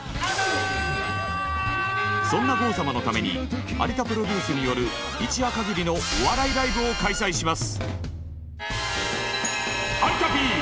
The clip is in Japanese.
そんな郷様のために有田プロデュースによる一夜かぎりのお笑いライブを開催します。